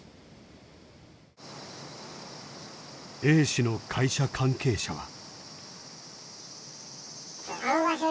Ａ氏の会社関係者は。